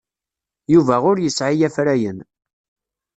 Yuba ur yesɛi afrayen.